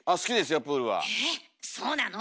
えぇっそうなの？